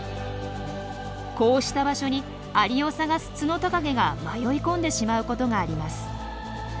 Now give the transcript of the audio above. こうした場所にアリを探すツノトカゲが迷い込んでしまうことがあります。